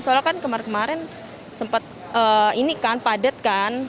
soalnya kan kemarin kemarin sempat ini kan padat kan